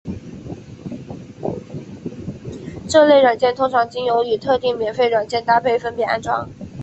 这类软件通常经由与特定免费软件搭配分别安装。